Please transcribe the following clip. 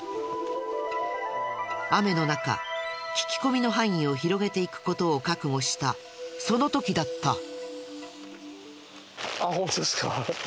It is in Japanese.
雨の中聞き込みの範囲を広げていく事を覚悟したその時だった。